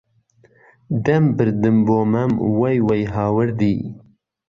دهم بردم بۆ مهم، وهی وهی هاوردی